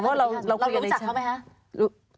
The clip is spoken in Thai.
เรารู้จักเขาไหมคะ